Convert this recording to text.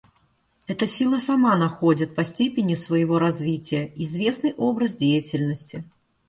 Эта сила сама находит, по степени своего развития, известный образ деятельности.